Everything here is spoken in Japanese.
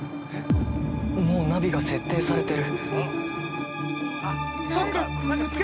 もうナビが設定されてる。